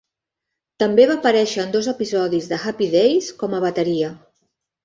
També va aparèixer en dos episodis de "Happy Days" com a bateria.